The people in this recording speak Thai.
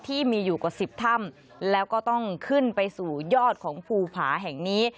ที่มีอยู่กว่าสิบถ้ำแล้วก็ต้องขึ้นไปสู่ยอดของภูผาแห่งนี้